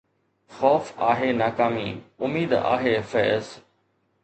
خوف آهي ناڪامي، اميد آهي فيض